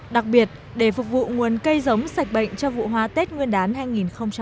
đặc biệt để phục vụ nguồn cây giống sạch bệnh cho vụ hoa tết nguyên đán hai nghìn hai mươi